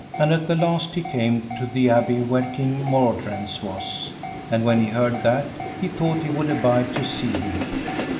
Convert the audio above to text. And at the last he came to the abbey where King Mordrains was, and when he heard that, he thought he would abide to see him.